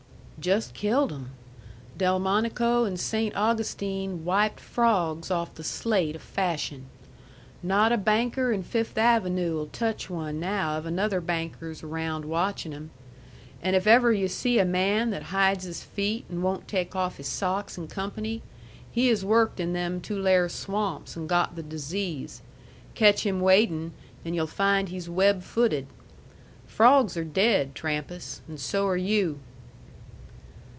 "Just killed 'em. Delmonico and Saynt Augustine wiped frawgs off the slate of fashion. Not a banker in Fifth Avenue'll touch one now if another banker's around watchin' him. And if ever yu' see a man that hides his feet an' won't take off his socks in company, he has worked in them Tulare swamps an' got the disease. Catch him wadin', and yu'll find he's web footed. Frawgs are dead, Trampas, and so are you."